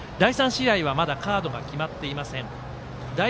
第３試合はまだカードが決まっていません。